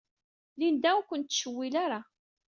Linda ur ken-tettcewwil ara.